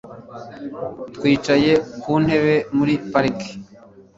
Twicaye ku ntebe muri parike